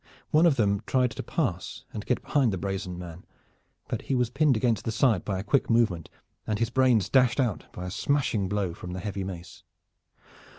One of them tried to pass and get behind the brazen man, but he was pinned against the side by a quick movement and his brains dashed out by a smashing blow from the heavy mace.